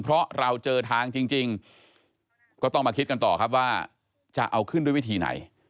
เพราะเราเจอทางจริงก็ต้องมาคิดกันต่อครับว่าจะเอาขึ้นด้วยวิธีไหน